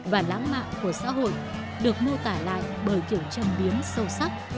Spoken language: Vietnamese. và lãng mạn của xã hội được mô tả lại bởi kiểu trầm biếm sâu sắc